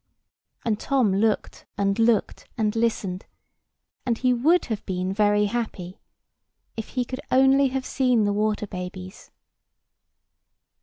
And Tom looked and looked, and listened; and he would have been very happy, if he could only have seen the water babies.